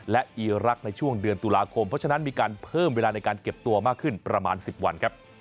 และอีรักษ์ในช่วงเดือนตุลาคมเพราะฉะนั้นมีการเพิ่มเวลาในการเก็บตัวมากขึ้นประมาณ๑๐วันครับ